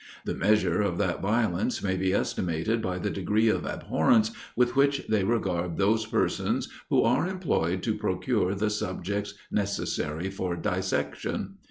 The measure of that violence may be estimated by the degree of abhorrence with which they regard those persons who are employed to procure the subjects necessary for dissection.